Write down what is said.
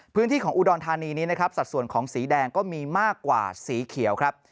พื้นที่ของอุดรธานีนี้นะครับสัดส่วนของสีแดงก็มีมากกว่าสีเขียวครับ